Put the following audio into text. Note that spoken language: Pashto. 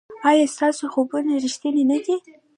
ایا ستاسو خوبونه ریښتیني نه دي؟